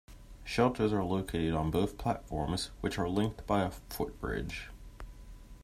Shelters are located on both platforms, which are linked by a footbridge.